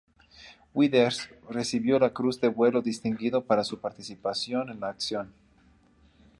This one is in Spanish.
Withers recibió la cruz de vuelo distinguido para su participación en la acción.